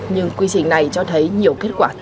nhưng quy trình này cho thấy nhiều kết quả tích cực